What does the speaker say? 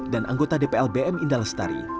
dan anggota dpl bm indah lestari